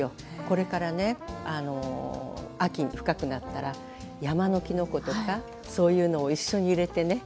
これからね秋深くなったら山のきのことかそういうのを一緒に入れてね